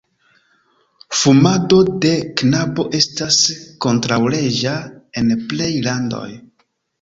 Fumado de kanabo estas kontraŭleĝa en plej landoj.